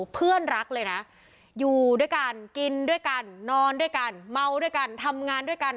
เพื่อนรักเลยนะอยู่ด้วยกันกินด้วยกันนอนด้วยกันเมาด้วยกันทำงานด้วยกัน